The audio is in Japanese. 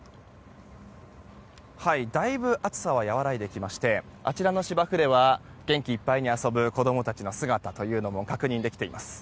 だいぶ暑さは和らいできましてあちらの芝生では元気いっぱいに遊ぶ、子供たちの姿というのも確認できています。